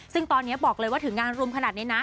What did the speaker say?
ซึ่งตอนนี้บอกเลยว่าถึงงานรุมขนาดนี้นะ